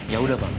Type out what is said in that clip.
ya udah bang